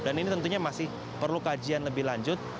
dan ini tentunya masih perlu kajian lebih lanjut